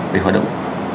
về hoạt động